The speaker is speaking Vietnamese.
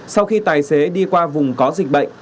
sau khi tài xế đi qua vùng có dịch bệnh